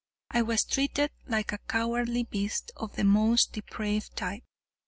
I was treated like a cowardly beast of the most depraved type.